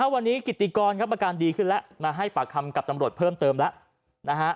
วันนี้กิติกรครับอาการดีขึ้นแล้วมาให้ปากคำกับตำรวจเพิ่มเติมแล้วนะฮะ